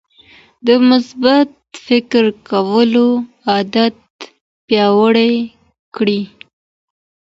د مثبت فکر کولو عادت پیاوړی کړئ.